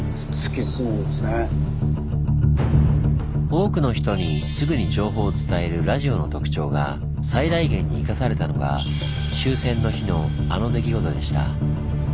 多くの人にすぐに情報を伝えるラジオの特徴が最大限に生かされたのが終戦の日のあの出来事でした。